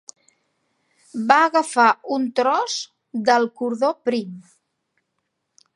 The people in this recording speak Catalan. Va agafar un tros del cordó prim.